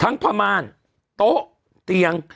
ทั้งพระมาลโต๊ะเตียง